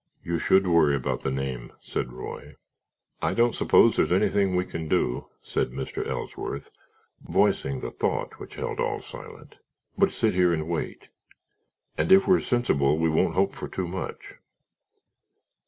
"You should worry about the name," said Roy. "I don't suppose there's anything we can do," said Mr. Ellsworth, voicing the thought which held all silent, "but sit here and wait, and if we're sensible we won't hope for too much.